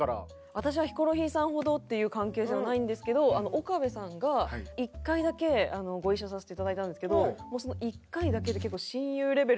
私はヒコロヒーさんほどっていう関係じゃないんですけど岡部さんが１回だけご一緒させていただいたんですけど。